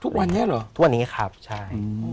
ทุกวันนี้เหรอทุกวันนี้ครับใช่